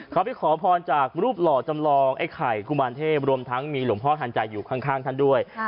เขาไปขอพรจากรูปหล่อจำลองไอ้ไข่กุมารเทพรวมทั้งมีหลวงพ่อทันใจอยู่ข้างท่านด้วย